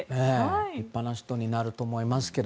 立派な人になると思います。